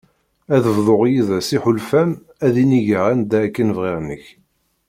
Ad bḍuɣ yides iḥulfan ad innigeɣ anda akken bɣiɣ nekk.